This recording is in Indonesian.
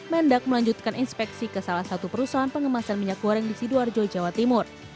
mendak melanjutkan inspeksi ke salah satu perusahaan pengemasan minyak goreng di sidoarjo jawa timur